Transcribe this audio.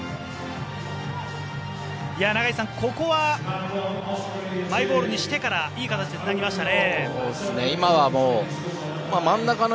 永井さん、ここはマイボールにしてからいい形でつなぎましたね。